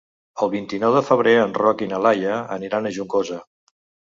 El vint-i-nou de febrer en Roc i na Laia aniran a Juncosa.